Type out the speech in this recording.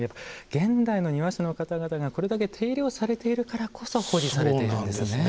現代の庭師の方々がこれだけ手入れをされているからこそ保持されているんですね。